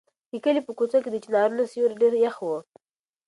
د کلي په کوڅو کې د چنارونو سیوري ډېر یخ وو.